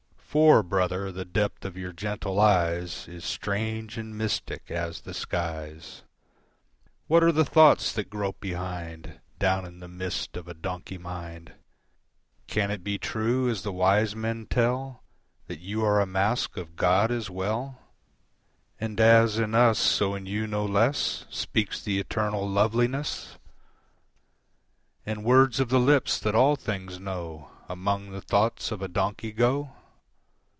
"For, brother, the depth of your gentle eyes Is strange and mystic as the skies: "What are the thoughts that grope behind, Down in the mist of a donkey mind? "Can it be true, as the wise men tell, That you are a mask of God as well, "And, as in us, so in you no less Speaks the eternal Loveliness, "And words of the lips that all things know Among the thoughts of a donkey go?